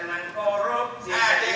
si adik abetiku